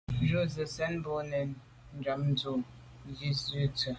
Njù be sène bo bèn mbèn njam ntùm la’ nzi bwe.